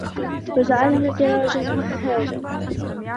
وَجَعَلْنَا سِرَاجًا وَهَّاجًا